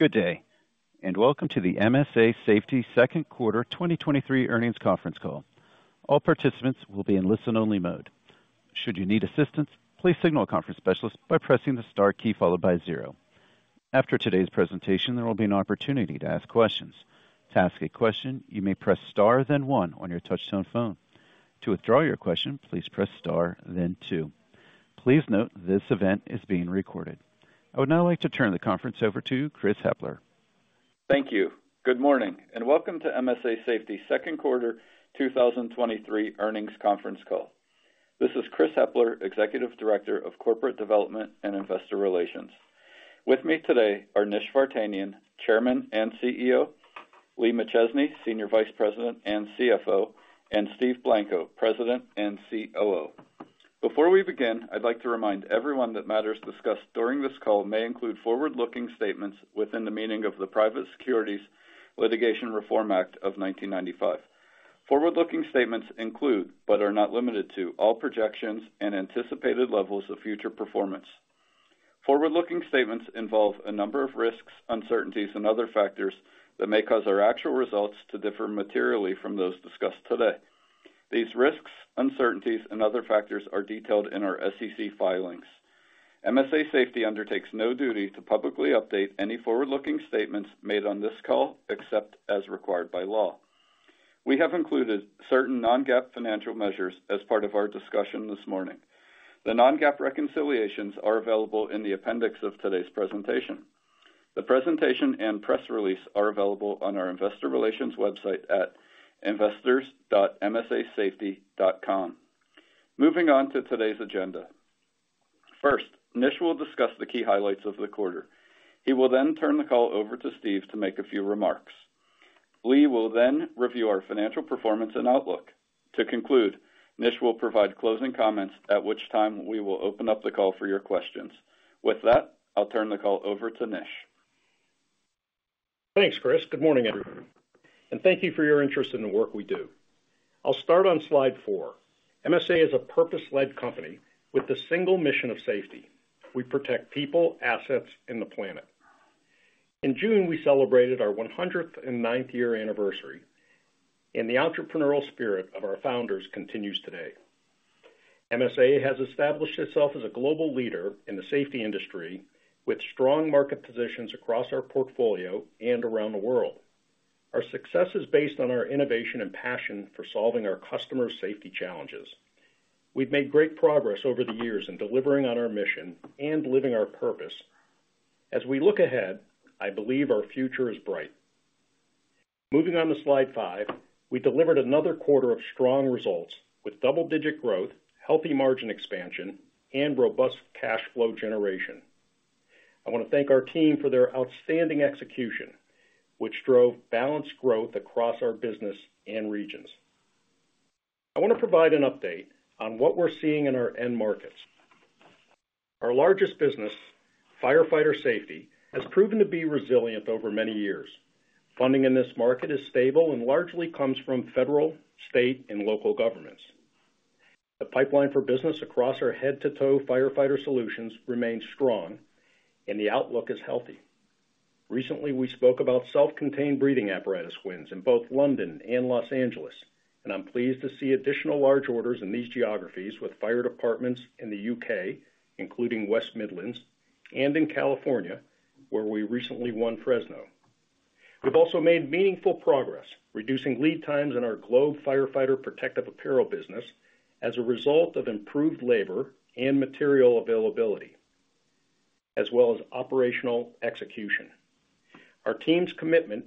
Good day, welcome to the MSA Safety Second Quarter 2023 earnings conference call. All participants will be in listen-only mode. Should you need assistance, please signal a conference specialist by pressing the star key followed by zero. After today's presentation, there will be an opportunity to ask questions. To ask a question, you may press star, then one on your touch-tone phone. To withdraw your question, please press star, then two. Please note, this event is being recorded. I would now like to turn the conference over to Chris Hepler. Thank you. Good morning, and welcome to MSA Safety Second Quarter 2023 earnings conference call. This is Chris Hepler, Executive Director of Corporate Development and Investor Relations. With me today are Nish Vartanian, Chairman and CEO, Lee McChesney, Senior Vice President and CFO, and Steve Blanco, President and COO. Before we begin, I'd like to remind everyone that matters discussed during this call may include forward-looking statements within the meaning of the Private Securities Litigation Reform Act of 1995. Forward-looking statements include, but are not limited to, all projections and anticipated levels of future performance. Forward-looking statements involve a number of risks, uncertainties, and other factors that may cause our actual results to differ materially from those discussed today. These risks, uncertainties, and other factors are detailed in our SEC filings. MSA Safety undertakes no duty to publicly update any forward-looking statements made on this call, except as required by law. We have included certain non-GAAP financial measures as part of our discussion this morning. The non-GAAP reconciliations are available in the appendix of today's presentation. The presentation and press release are available on our investor relations website at investors.msasafety.com. Moving on to today's agenda. First, Nish will discuss the key highlights of the quarter. He will then turn the call over to Steve to make a few remarks. Lee will then review our financial performance and outlook. To conclude, Nish will provide closing comments, at which time we will open up the call for your questions. With that, I'll turn the call over to Nish. Thanks, Chris. Good morning, everyone, thank you for your interest in the work we do. I'll start on slide four. MSA is a purpose-led company with the single mission of safety. We protect people, assets, and the planet. In June, we celebrated our 109th year anniversary. The entrepreneurial spirit of our founders continues today. MSA has established itself as a global leader in the safety industry, with strong market positions across our portfolio and around the world. Our success is based on our innovation and passion for solving our customers' safety challenges. We've made great progress over the years in delivering on our mission and living our purpose. As we look ahead, I believe our future is bright. Moving on to slide five. We delivered another quarter of strong results with double-digit growth, healthy margin expansion, and robust cash flow generation. I want to thank our team for their outstanding execution, which drove balanced growth across our business and regions. I want to provide an update on what we're seeing in our end markets. Our largest business, firefighter safety, has proven to be resilient over many years. Funding in this market is stable and largely comes from federal, state, and local governments. The pipeline for business across our head-to-toe firefighter solutions remains strong and the outlook is healthy. Recently, we spoke about Self-Contained Breathing Apparatus wins in both London and Los Angeles, and I'm pleased to see additional large orders in these geographies with fire departments in the U.K., including West Midlands and in California, where we recently won Fresno. We've also made meaningful progress, reducing lead times in our Globe firefighter protective apparel business as a result of improved labor and material availability, as well as operational execution. Our team's commitment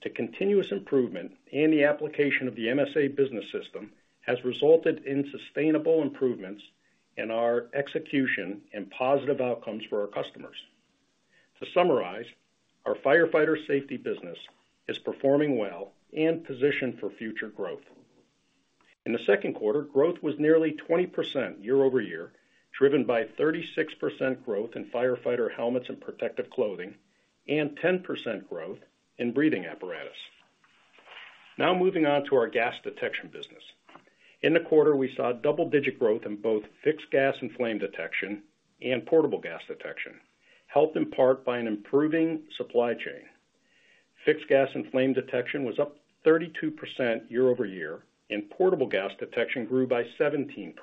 to continuous improvement and the application of the MSA Business System has resulted in sustainable improvements in our execution and positive outcomes for our customers. To summarize, our firefighter safety business is performing well and positioned for future growth. In the second quarter, growth was nearly 20% year-over-year, driven by 36% growth in firefighter helmets and protective clothing, and 10% growth in breathing apparatus. Moving on to our gas detection business. In the quarter, we saw double-digit growth in both Fixed Gas and Flame Detection and portable gas detection, helped in part by an improving supply chain. Fixed Gas and Flame Detection was up 32% year-over-year, and portable gas detection grew by 17%.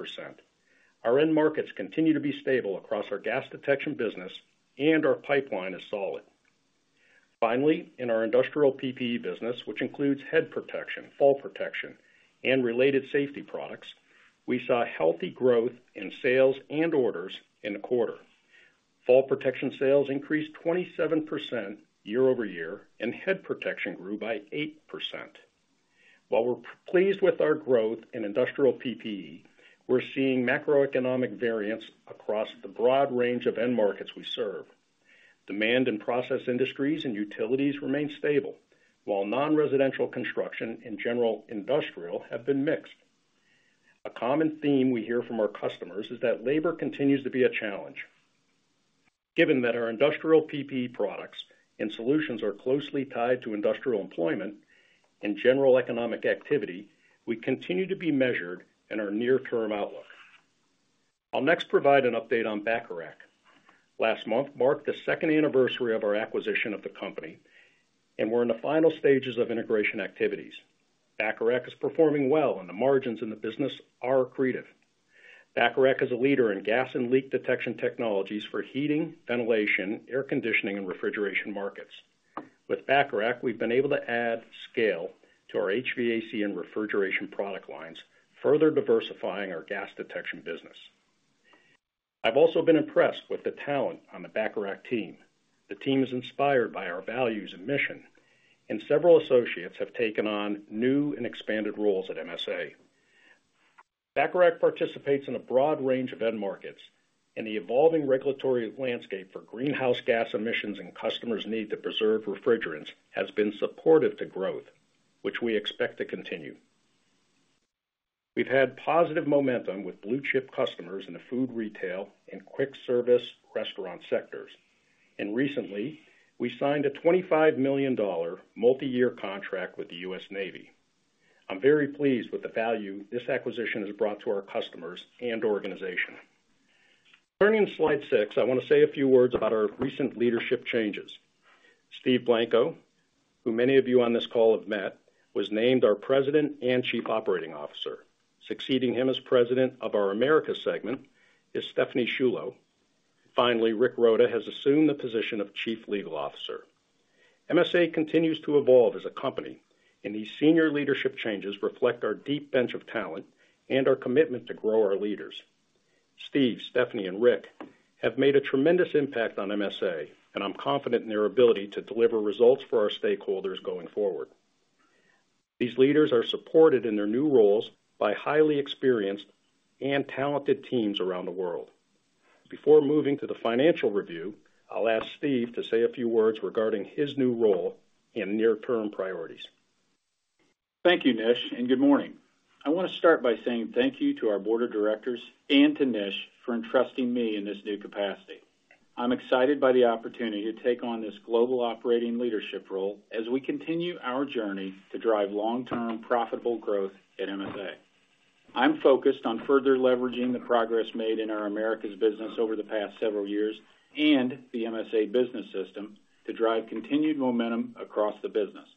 Our end markets continue to be stable across our gas detection business and our pipeline is solid. Finally, in our industrial PPE business, which includes head protection, fall protection, and related safety products, we saw healthy growth in sales and orders in the quarter. Fall protection sales increased 27% year-over-year, and head protection grew by 8%. While we're pleased with our growth in industrial PPE, we're seeing macroeconomic variance across the broad range of end markets we serve. Demand in process industries and utilities remain stable, while non-residential construction in general industrial have been mixed. A common theme we hear from our customers is that labor continues to be a challenge. Given that our industrial PPE products and solutions are closely tied to industrial employment and general economic activity, we continue to be measured in our near-term outlook. I'll next provide an update on Bacharach. Last month marked the 2nd anniversary of our acquisition of the company, and we're in the final stages of integration activities. Bacharach is performing well, and the margins in the business are accretive. Bacharach is a leader in gas and leak detection technologies for heating, ventilation, air conditioning, and refrigeration markets. With Bacharach, we've been able to add scale to our HVAC and refrigeration product lines, further diversifying our gas detection business. I've also been impressed with the talent on the Bacharach team. The team is inspired by our values and mission, and several associates have taken on new and expanded roles at MSA. Bacharach participates in a broad range of end markets, and the evolving regulatory landscape for greenhouse gas emissions and customers' need to preserve refrigerants, has been supportive to growth, which we expect to continue. We've had positive momentum with blue-chip customers in the food, retail, and quick service restaurant sectors. Recently, we signed a $25 million multi-year contract with the US Navy. I'm very pleased with the value this acquisition has brought to our customers and organization. Turning to slide six, I wanna say a few words about our recent leadership changes. Steve Blanco, who many of you on this call have met, was named our President and Chief Operating Officer. Succeeding him as President of our Americas segment, is Stephanie Sciullo. Finally, Richard A. Roda has assumed the position of Chief Legal Officer. MSA continues to evolve as a company, and these senior leadership changes reflect our deep bench of talent and our commitment to grow our leaders. Steve, Stephanie, and Rick have made a tremendous impact on MSA, and I'm confident in their ability to deliver results for our stakeholders going forward. These leaders are supported in their new roles by highly experienced and talented teams around the world. Before moving to the financial review, I'll ask Steve to say a few words regarding his new role and near-term priorities. Thank you, Nish, and good morning. I want to start by saying thank you to our board of directors and to Nish for entrusting me in this new capacity. I'm excited by the opportunity to take on this global operating leadership role as we continue our journey to drive long-term, profitable growth at MSA. I'm focused on further leveraging the progress made in our Americas business over the past several years, and the MSA Business System, to drive continued momentum across the business.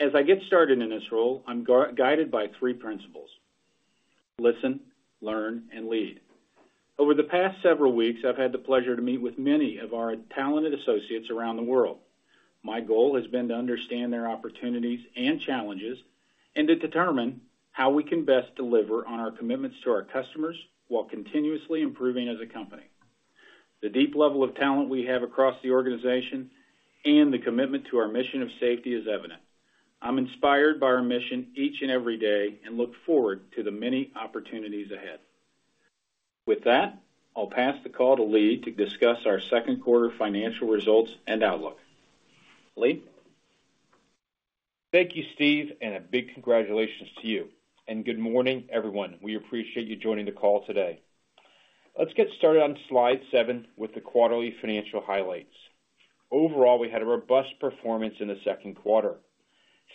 As I get started in this role, I'm guided by three principles: listen, learn, and lead. Over the past several weeks, I've had the pleasure to meet with many of our talented associates around the world. My goal has been to understand their opportunities and challenges, and to determine how we can best deliver on our commitments to our customers while continuously improving as a company. The deep level of talent we have across the organization, and the commitment to our mission of Safety is evident. I'm inspired by our mission each and every day, and look forward to the many opportunities ahead. With that, I'll pass the call to Lee to discuss our second quarter financial results and outlook. Lee? Thank you, Steve. A big congratulations to you. Good morning, everyone. We appreciate you joining the call today. Let's get started on slide seven with the quarterly financial highlights. Overall, we had a robust performance in the second quarter.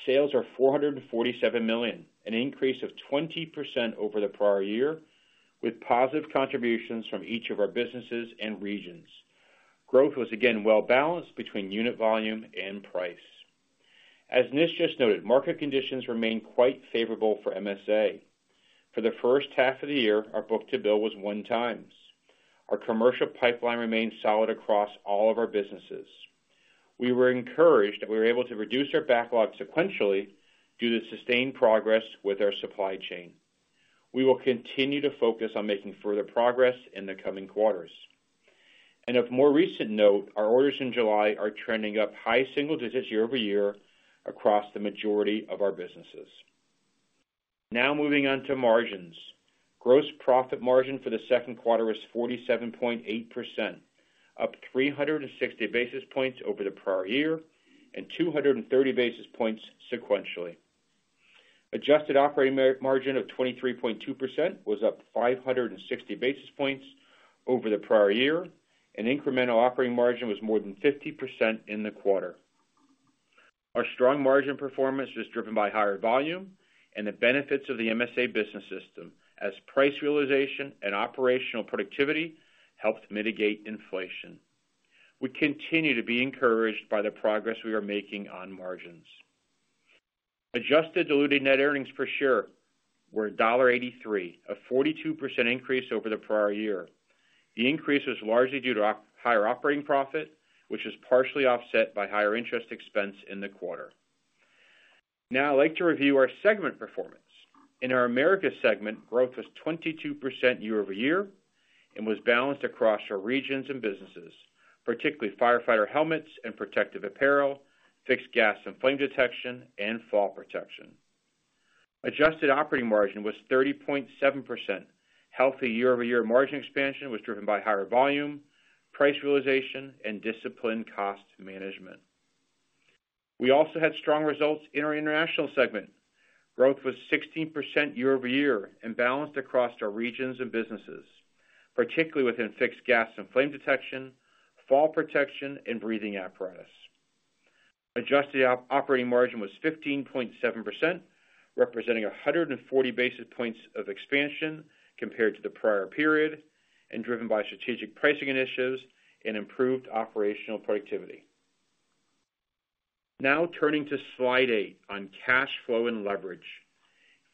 Sales are $447 million, an increase of 20% over the prior year, with positive contributions from each of our businesses and regions. Growth was again well-balanced between unit volume and price. As Nish just noted, market conditions remain quite favorable for MSA. For the first half of the year, our book-to-bill was one time. Our commercial pipeline remains solid across all of our businesses. We were encouraged that we were able to reduce our backlog sequentially due to sustained progress with our supply chain. We will continue to focus on making further progress in the coming quarters. Of more recent note, our orders in July are trending up high single digits year-over-year, across the majority of our businesses. Now moving on to margins. Gross profit margin for the Q2 was 47.8%, up 360 basis points over the prior year, and 230 basis points sequentially. Adjusted operating margin of 23.2% was up 560 basis points over the prior year, and incremental operating margin was more than 50% in the quarter. Our strong margin performance was driven by higher volume and the benefits of the MSA Business System, as price realization and operational productivity helped mitigate inflation. We continue to be encouraged by the progress we are making on margins. Adjusted diluted net earnings per share were $1.83, a 42% increase over the prior year. The increase was largely due to higher operating profit, which was partially offset by higher interest expense in the quarter. I'd like to review our segment performance. In our Americas segment, growth was 22% year-over-year and was balanced across our regions and businesses, particularly firefighter helmets and protective apparel, Fixed Gas and Flame Detection, and fall protection. Adjusted operating margin was 30.7%. Healthy year-over-year margin expansion was driven by higher volume, price realization, and disciplined cost management. We also had strong results in our international segment. Growth was 16% year-over-year and balanced across our regions and businesses, particularly within Fixed Gas and Flame Detection, fall protection, and breathing apparatus. Adjusted operating margin was 15.7%, representing 140 basis points of expansion compared to the prior period, and driven by strategic pricing initiatives and improved operational productivity. Now turning to slide eight on cash flow and leverage.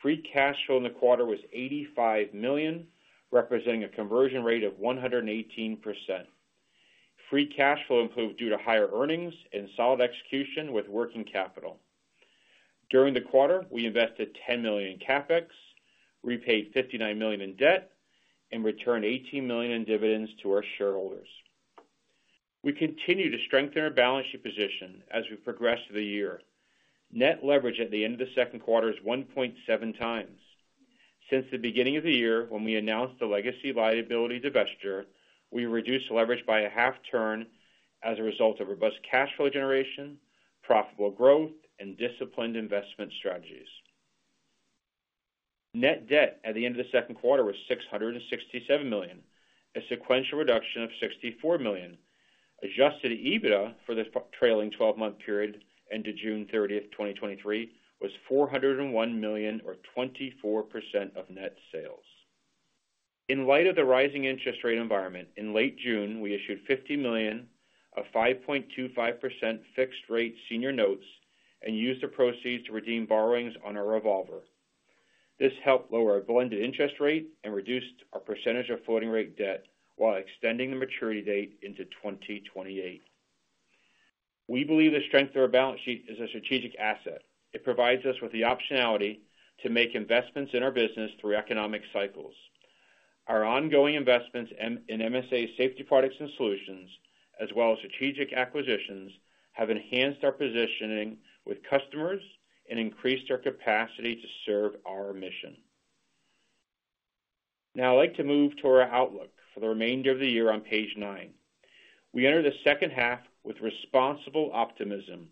Free cash flow in the quarter was $85 million, representing a conversion rate of 118%. Free cash flow improved due to higher earnings and solid execution with working capital. During the quarter, we invested $10 million in CapEx, repaid $59 million in debt, and returned $18 million in dividends to our shareholders. We continue to strengthen our balance sheet position as we progress through the year. Net leverage at the end of the second quarter is 1.7 times. Since the beginning of the year, when we announced the legacy liability divestiture, we reduced the leverage by a half turn as a result of robust cash flow generation, profitable growth, and disciplined investment strategies. Net debt at the end of the second quarter was $667 million, a sequential reduction of $64 million. Adjusted EBITDA for the trailing twelve-month period into June 30, 2023, was $401 million, or 24% of net sales. In light of the rising interest rate environment, in late June, we issued $50 million of 5.25% fixed rate senior notes and used the proceeds to redeem borrowings on our revolver. This helped lower our blended interest rate and reduced our percentage of floating rate debt while extending the maturity date into 2028. We believe the strength of our balance sheet is a strategic asset. It provides us with the optionality to make investments in our business through economic cycles. Our ongoing investments in MSA Safety products and solutions, as well as strategic acquisitions, have enhanced our positioning with customers and increased our capacity to serve our mission. Now I'd like to move to our outlook for the remainder of the year on page nine. We enter the second half with responsible optimism.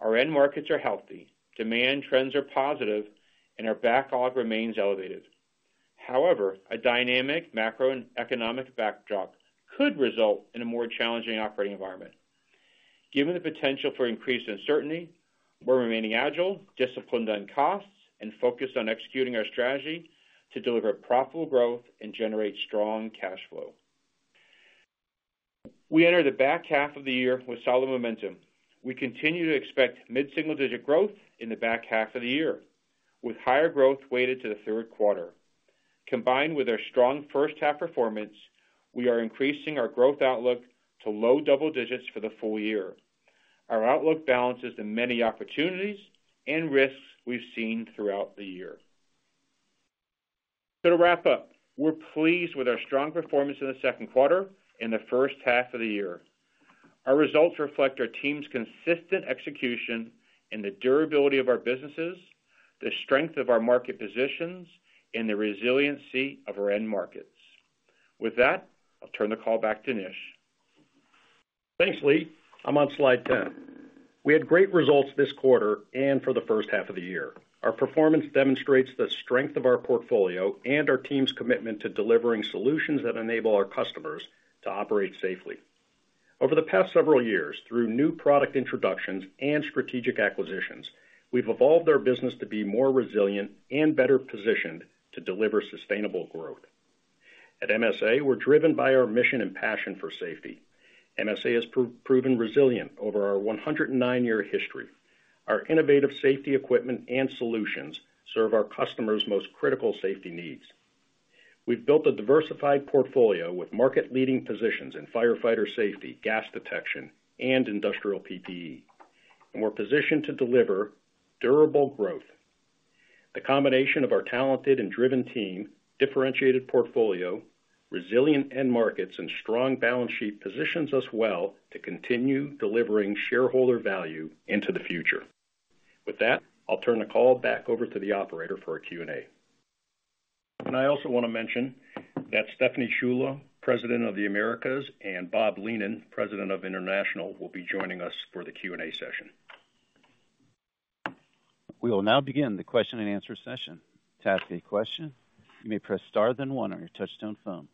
Our end markets are healthy, demand trends are positive, and our backlog remains elevated. However, a dynamic macroeconomic backdrop could result in a more challenging operating environment. Given the potential for increased uncertainty, we're remaining agile, disciplined on costs, and focused on executing our strategy to deliver profitable growth and generate strong cash flow. We enter the back half of the year with solid momentum. We continue to expect mid-single digit growth in the back half of the year, with higher growth weighted to the 3rd quarter. Combined with our strong 1st half performance, we are increasing our growth outlook to low double digits for the full year. Our outlook balances the many opportunities and risks we've seen throughout the year. To wrap up, we're pleased with our strong performance in the 2nd quarter and the 1st half of the year. Our results reflect our team's consistent execution and the durability of our businesses, the strength of our market positions, and the resiliency of our end markets. With that, I'll turn the call back to Nish. Thanks, Lee. I'm on slide 10. We had great results this quarter and for the first half of the year. Our performance demonstrates the strength of our portfolio and our team's commitment to delivering solutions that enable our customers to operate safely. Over the past several years, through new product introductions and strategic acquisitions, we've evolved our business to be more resilient and better positioned to deliver sustainable growth. At MSA, we're driven by our mission and passion for safety. MSA has proven resilient over our 109-year history. Our innovative safety equipment and solutions serve our customers' most critical safety needs. We've built a diversified portfolio with market-leading positions in firefighter safety, gas detection, and industrial PPE, and we're positioned to deliver durable growth. The combination of our talented and driven team, differentiated portfolio, resilient end markets, and strong balance sheet positions us well to continue delivering shareholder value into the future. With that, I'll turn the call back over to the operator for a Q&A. I also want to mention that Stephanie Sciullo, President of the Americas, and Bob Leenen, President of International, will be joining us for the Q&A session. We will now begin the question and answer session. To ask a question, you may press star, then one on your touchtone phone.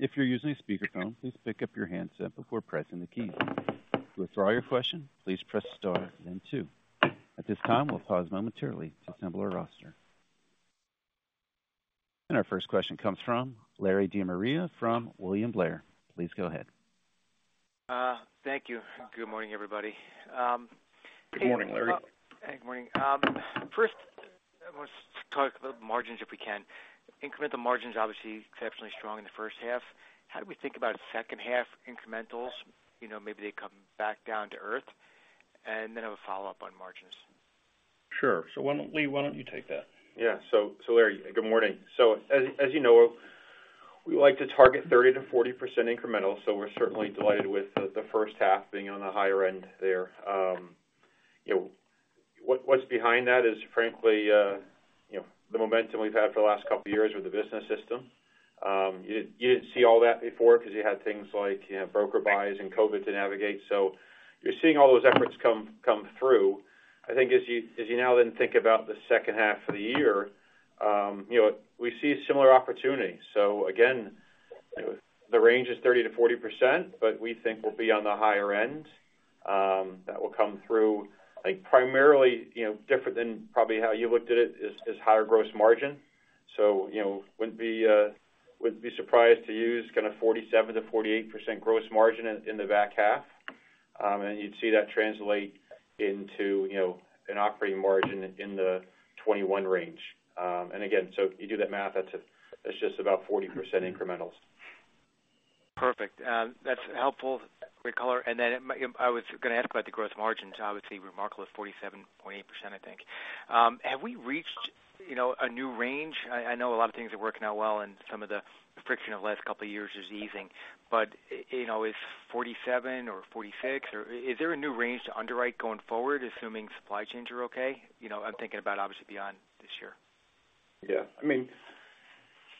If you're using a speakerphone, please pick up your handset before pressing the key. To withdraw your question, please press star, then two. At this time, we'll pause momentarily to assemble our roster. Our first question comes from Larry DeMaria from William Blair. Please go ahead. Thank you. Good morning, everybody. Good morning, Larry. Hey, good morning. First, I want to talk about margins, if we can. Incremental margins are obviously exceptionally strong in the first half. How do we think about second half incrementals? You know, maybe they come back down to earth, and then I have a follow-up on margins. Sure. Why don't, Lee, why don't you take that? Yeah. Larry, good morning. As, as you know, we like to target 30%-40% incremental, so we're certainly delighted with the, the first half being on the higher end there. You know, what, what's behind that is frankly, you know, the momentum we've had for the last couple of years with the MSA Business System. You, you didn't see all that before because you had things like, you know, broker buys and COVID to navigate. You're seeing all those efforts come, come through. I think as you, as you now then think about the second half of the year, you know, we see similar opportunities. Again the range is 30%-40%, but we think we'll be on the higher end, that will come through, I think, primarily, different than probably how you looked at it, is higher gross margin. Wouldn't be surprised to use kind of 47%-48% gross margin in the back half. You'd see that translate into an operating margin in the 21% range. Again, if you do that math, that's just about 40% incrementals. Perfect. That's helpful, great color. I was gonna ask about the growth margins, obviously, remarkable of 47.8%, I think. Have we reached, you know, a new range? I, I know a lot of things are working out well, and some of the friction of the last couple of years is easing. You know, is 47 or 46, or is there a new range to underwrite going forward, assuming supply chains are okay? You know, I'm thinking about obviously beyond this year. Yeah. I mean,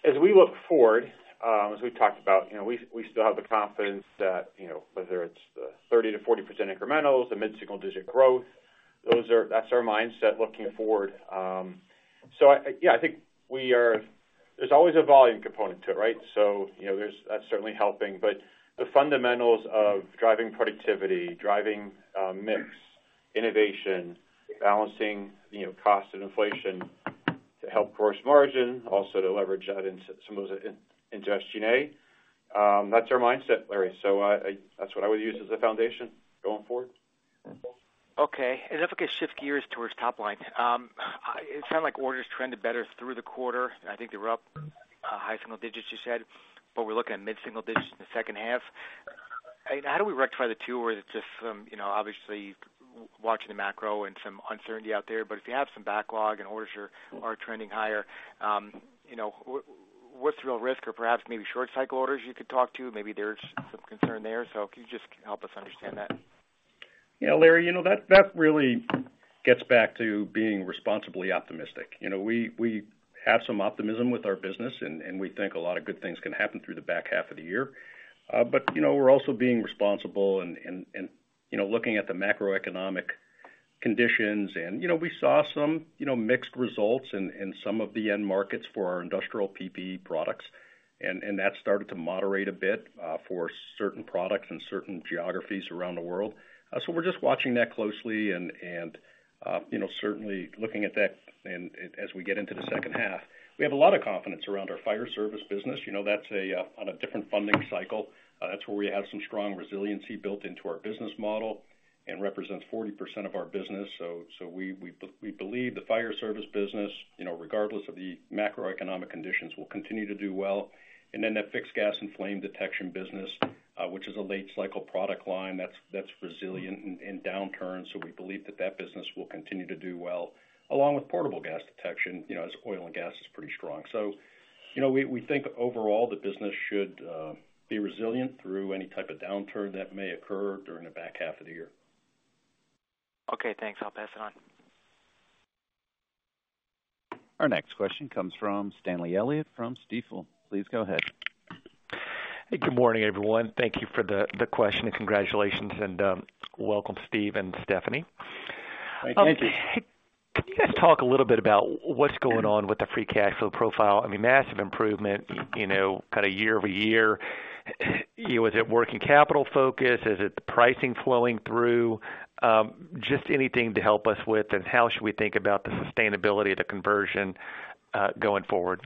as we look forward, as we've talked about, you know, we, we still have the confidence that, you know, whether it's the 30%-40% incrementals, the mid-single-digit growth, those are. That's our mindset looking forward. I, yeah, I think we are. There's always a volume component to it, right? You know, there's. That's certainly helping. But the fundamentals of driving productivity, driving, mix, innovation, balancing, you know, cost and inflation to help gross margin, also to leverage that into some of those into SG&A, that's our mindset, Larry. I, I. That's what I would use as a foundation going forward. Okay. If I could shift gears towards top line. It sounded like orders trended better through the quarter, and I think they were up high single digits, you said, but we're looking at mid-single digits in the second half. How do we rectify the two, where it's just from, you know, obviously, watching the macro and some uncertainty out there, but if you have some backlog and orders are, are trending higher, you know, what's the real risk or perhaps maybe short cycle orders you could talk to? Maybe there's some concern there. Can you just help us understand that? Yeah, Larry, you know, that, that really gets back to being responsibly optimistic. You know, we, we have some optimism with our business, and, and we think a lot of good things can happen through the back half of the year. We're also being responsible and, and, and, you know, looking at the macroeconomic conditions. We saw some, you know, mixed results in, in some of the end markets for our industrial PPE products, and, and that started to moderate a bit, for certain products and certain geographies around the world. We're just watching that closely and, and, you know, certainly looking at that and as we get into the second half. We have a lot of confidence around our fire service business. You know, that's a, on a different funding cycle. That's where we have some strong resiliency built into our business model and represents 40% of our business. We, we believe the fire service business, you know, regardless of the macroeconomic conditions, will continue to do well. Then that Fixed Gas and Flame Detection business, which is a late cycle product line, that's, that's resilient in, in downturns, so we believe that that business will continue to do well, along with Portable Gas Detection, you know, as oil and gas is pretty strong. We, you know, we, we think overall, the business should be resilient through any type of downturn that may occur during the back half of the year. Okay, thanks. I'll pass it on. Our next question comes from Stanley Elliott from Stifel. Please go ahead. Hey, good morning, everyone. Thank you for the, the question, and congratulations, and, welcome, Steve and Stephanie. Thank you. Hey, could you guys talk a little bit about what's going on with the free cash flow profile? I mean, massive improvement, you know, kind of year-over-year. Is it working capital focus? Is it the pricing flowing through? Just anything to help us with, and how should we think about the sustainability of the conversion, going forward?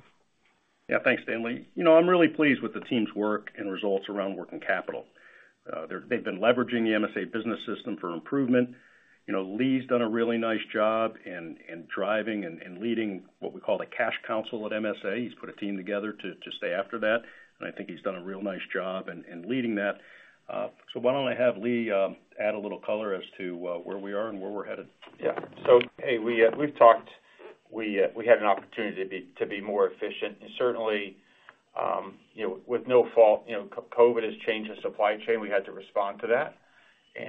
Yeah, thanks, Stanley. You know, I'm really pleased with the team's work and results around working capital. They've been leveraging the MSA Business System for improvement. You know, Lee's done a really nice job in, in driving and, and leading what we call a cash council at MSA. He's put a team together to, to stay after that, and I think he's done a real nice job in, in leading that. Why don't I have Lee add a little color as to where we are and where we're headed? Yeah. Hey, we, we've talked, we, we had an opportunity to be, to be more efficient. Certainly, you know, with no fault, you know, COVID has changed the supply chain. We had to respond to that.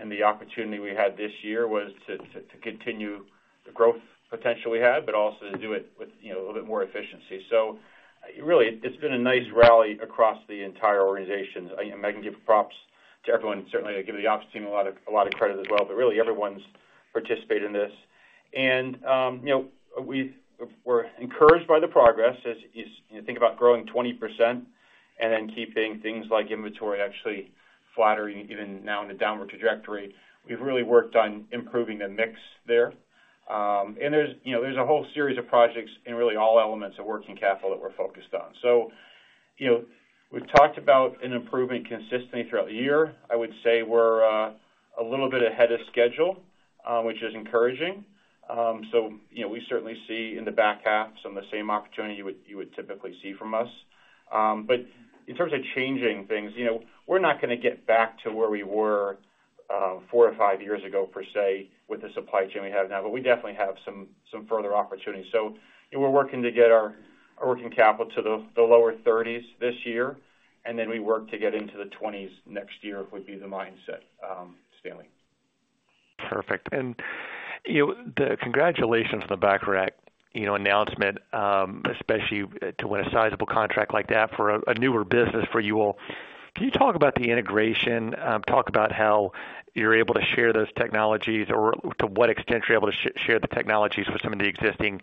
The opportunity we had this year was to, to, to continue the growth potential we had, but also to do it with, you know, a little bit more efficiency. Really, it's been a nice rally across the entire organization. I, I can give props to everyone. Certainly, I give the ops team a lot of, a lot of credit as well, but really, everyone's participated in this. You know, we've we're encouraged by the progress, as is. You think about growing 20% and then keeping things like inventory actually flatter, even now in the downward trajectory. We've really worked on improving the mix there. There's, you know, there's a whole series of projects in really all elements of working capital that we're focused on. You know, we've talked about an improvement consistently throughout the year. I would say we're a little bit ahead of schedule, which is encouraging. You know, we certainly see in the back half some of the same opportunity you would, you would typically see from us. In terms of changing things, you know, we're not gonna get back to where we were four or five years ago, per se, with the supply chain we have now, but we definitely have some, some further opportunities. We're working to get our, our working capital to the, the lower 30s this year, and then we work to get into the 20s next year, would be the mindset, Stanley. Perfect. You know, the congratulations on the Bacharach, you know, announcement, especially to win a sizable contract like that for a, a newer business for you all. Can you talk about the integration? Talk about how you're able to share those technologies, or to what extent you're able to share the technologies with some of the existing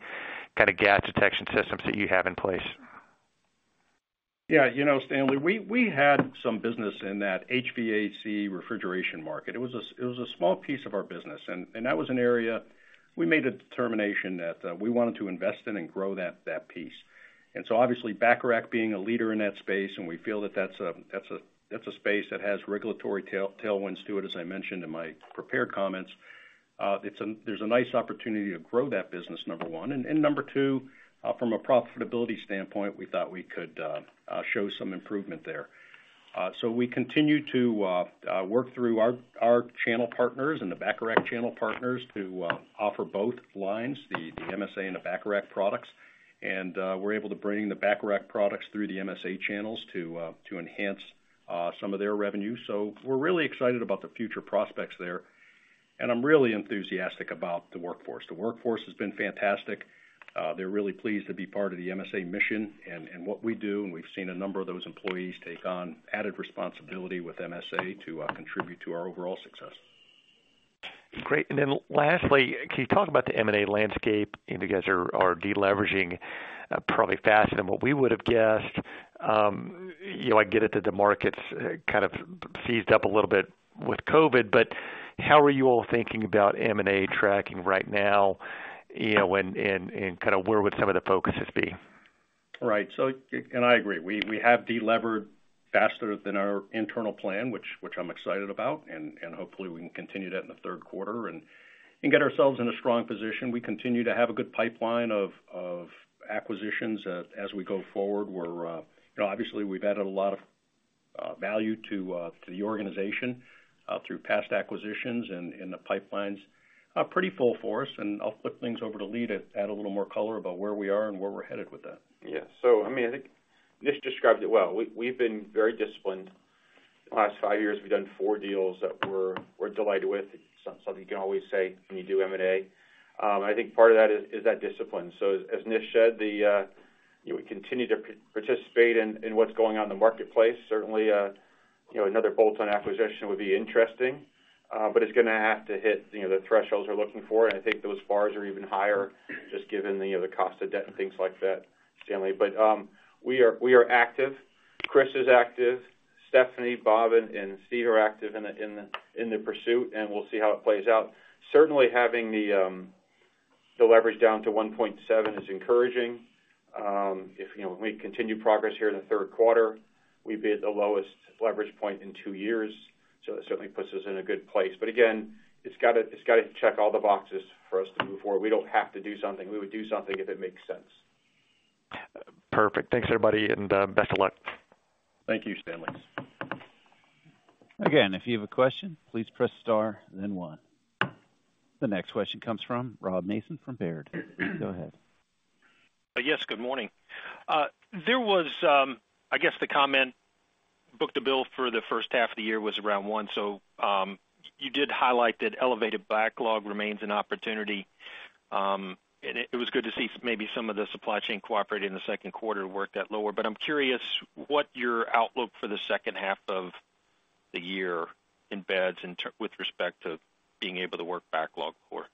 kind of gas detection systems that you have in place. Yeah, you know, Stanley, we, we had some business in that HVAC refrigeration market. It was a, it was a small piece of our business, and that was an area we made a determination that we wanted to invest in and grow that, that piece. Obviously, Bacharach being a leader in that space, and we feel that that's a, that's a, that's a space that has regulatory tailwinds to it, as I mentioned in my prepared comments. There's a nice opportunity to grow that business, number one, and number two, from a profitability standpoint, we thought we could show some improvement there. We continue to work through our channel partners and the Bacharach channel partners to offer both lines, the MSA and the Bacharach products. We're able to bring the Bacharach products through the MSA channels to enhance some of their revenue. We're really excited about the future prospects there, and I'm really enthusiastic about the workforce. The workforce has been fantastic. They're really pleased to be part of the MSA mission and what we do, and we've seen a number of those employees take on added responsibility with MSA to contribute to our overall success. Great. Then lastly, can you talk about the M&A landscape? You guys are, are deleveraging, probably faster than what we would have guessed. you know, I get it that the market's kind of seized up a little bit with COVID, but how are you all thinking about M&A tracking right now, you know, and, and, and kind of where would some of the focuses be? Right. I agree, we, we have delevered faster than our internal plan, which, which I'm excited about, and, and hopefully we can continue that in the third quarter and, and get ourselves in a strong position. We continue to have a good pipeline of, of acquisitions as, as we go forward. We're, you know, obviously, we've added a lot of value to the organization through past acquisitions, and, and the pipelines are pretty full for us, and I'll flip things over to Lee to add a little more color about where we are and where we're headed with that. Yeah. So, I mean, I think Nish describes it well. We've been very disciplined. The last five years, we've done four deals that we're, we're delighted with. Something you can always say when you do M&A. I think part of that is, is that discipline. As Nish said, you know, we continue to participate in, in what's going on in the marketplace. Certainly, you know, another bolt-on acquisition would be interesting, but it's gonna have to hit, you know, the thresholds we're looking for, and I think those bars are even higher, just given the, the cost of debt and things like that, Stanley. We are, we are active. Chris is active, Stephanie, Bob, and Steve are active in the pursuit, and we'll see how it plays out. Certainly, having the, the leverage down to 1.7 is encouraging. If, you know, we continue progress here in the third quarter, we'd be at the lowest leverage point in two years, so it certainly puts us in a good place. Again, it's gotta, it's gotta check all the boxes for us to move forward. We don't have to do something. We would do something if it makes sense. Perfect. Thanks, everybody, and best of luck. Thank you, Stanley. Again, if you have a question, please press star, then One. The next question comes from Rob Mason from Baird. Go ahead. Yes, good morning. There was I guess the comment, book-to-bill for the first half of the year was around one, so you did highlight that elevated backlog remains an opportunity. It, it was good to see maybe some of the supply chain cooperate in the second quarter work that lower. I'm curious what your outlook for the second half of the year embeds in with respect to being able to work backlog for?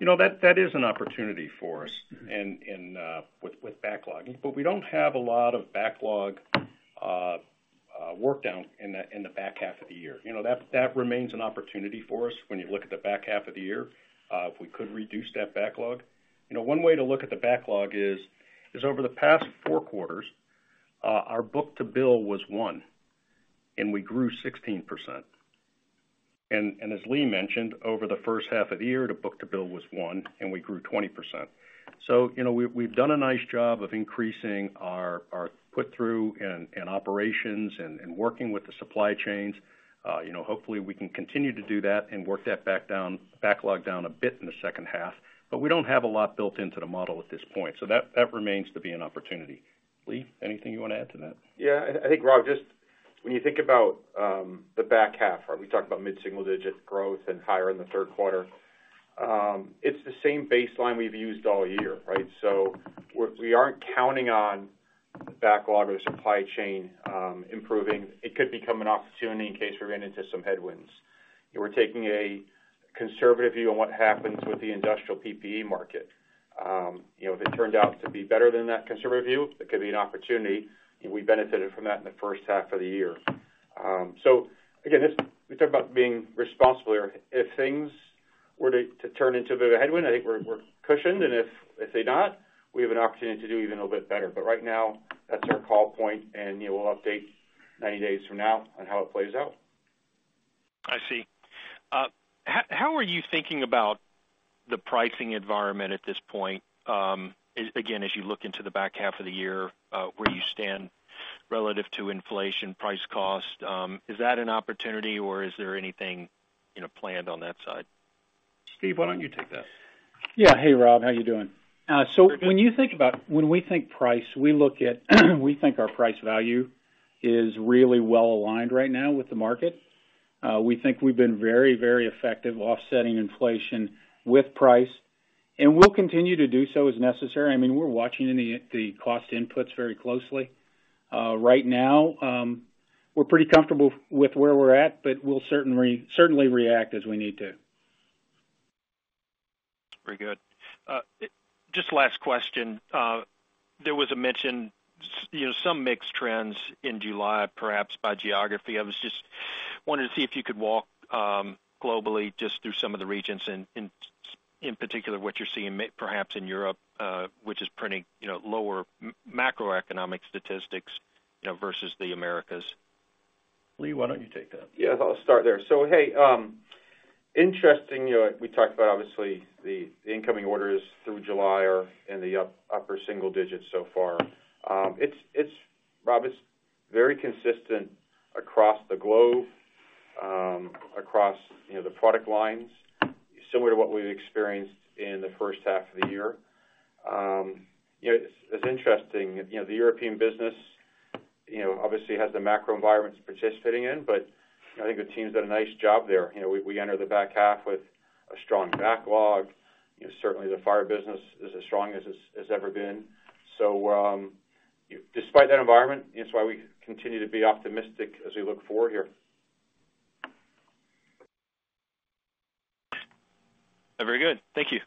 You know, that, that is an opportunity for us in, in, with, with backlog, but we don't have a lot of backlog worked out in the, in the back half of the year. You know, that, that remains an opportunity for us when you look at the back half of the year, if we could reduce that backlog. You know, one way to look at the backlog is, is over the past four quarters, our book-to-bill was one, and we grew 16%. As Lee mentioned, over the first half of the year, the book-to-bill was one, and we grew 20%. You know, we've, we've done a nice job of increasing our, our put through and, and operations and, and working with the supply chains. you know, hopefully, we can continue to do that and work that back down, backlog down a bit in the second half, but we don't have a lot built into the model at this point, so that, that remains to be an opportunity. Lee, anything you wanna add to that? Yeah, I think, Rob, just when you think about the back half, right, we talked about mid-single-digit growth and higher in the third quarter. It's the same baseline we've used all year, right? We aren't counting on the backlog or supply chain improving. It could become an opportunity in case we ran into some headwinds. We're taking a conservative view on what happens with the industrial PPE market. You know, if it turned out to be better than that conservative view, it could be an opportunity, and we benefited from that in the first half of the year. Again, this, we talk about being responsible here. If things were to turn into a bit of a headwind, I think we're cushioned, and if they're not, we have an opportunity to do even a little bit better. Right now, that's our call point, and, you know, we'll update 90 days from now on how it plays out. I see. How, how are you thinking about the pricing environment at this point? Again, as you look into the back half of the year, where you stand relative to inflation, price, cost, is that an opportunity or is there anything, you know, planned on that side? Steve, why don't you take that? Yeah. Hey, Rob, how you doing? When you think about when we think price, we look at, we think our price value is really well aligned right now with the market. We think we've been very, very effective offsetting inflation with price. We'll continue to do so as necessary. I mean, we're watching the, the cost inputs very closely. Right now, we're pretty comfortable with where we're at, but we'll certainly, certainly react as we need to. Very good. Just last question. There was a mention, you know, some mixed trends in July, perhaps by geography. I was just wanting to see if you could walk, globally, just through some of the regions, in particular, what you're seeing perhaps in Europe, which is printing, you know, lower macroeconomic statistics, you know, versus the Americas. Lee, why don't you take that? Yeah, I'll start there. Hey, interesting, you know, we talked about, obviously, the incoming orders through July are in the up- upper single digits so far. It's, it's Rob, it's very consistent across the globe, across, you know, the product lines, similar to what we've experienced in the first half of the year. You know, it's, it's interesting, you know, the European business, you know, obviously, has the macro environment participating in, but I think the team's done a nice job there. You know, we, we enter the back half with a strong backlog. You know, certainly the fire business is as strong as it's, has ever been. Despite that environment, it's why we continue to be optimistic as we look forward here. Very good. Thank you.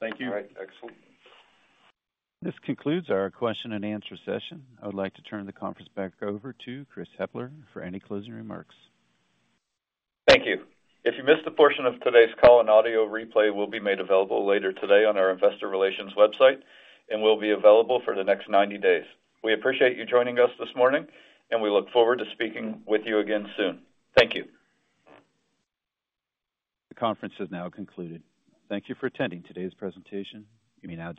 Thank you. All right. Excellent. This concludes our question-and-answer session. I would like to turn the conference back over to Chris Hepler for any closing remarks. Thank you. If you missed a portion of today's call, an audio replay will be made available later today on our investor relations website and will be available for the next 90 days. We appreciate you joining us this morning, and we look forward to speaking with you again soon. Thank you. The conference is now concluded. Thank you for attending today's presentation. You may now disconnect.